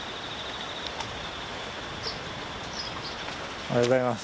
おはようございます。